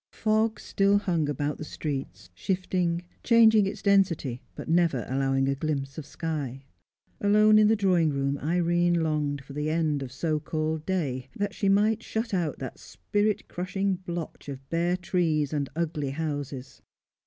Fog still hung about the streets, shifting, changing its density, but never allowing a glimpse of sky. Alone in the drawing room Irene longed for the end of so called day, that she might shut out that spirit crushing blotch of bare trees and ugly houses.